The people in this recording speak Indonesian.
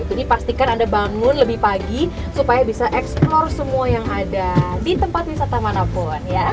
jadi pastikan anda bangun lebih pagi supaya bisa eksplor semua yang ada di tempat wisata manapun